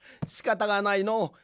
しかたがないのう。